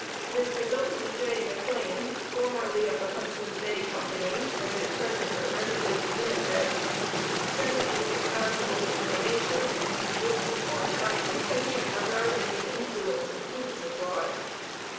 Mr. W. J. McLean, formerly of the Hudson's Bay Company and at present a resident of Winnipeg, sends me some valuable information, which supports my contention regarding the influence of food supply.